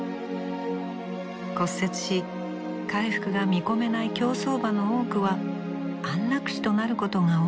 骨折し回復が見込めない競走馬の多くは安楽死となることが多いのですが。